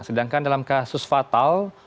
sedangkan dalam kasus fatal